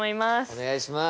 お願いします。